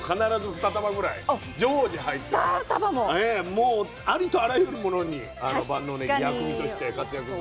もうありとあらゆるものにあの万能ねぎ薬味として活躍するし。